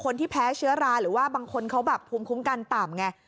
คนที่แพ้เชื้อราหรือว่าบางคนเค้าฟุ้งคุ้มกันต่ำ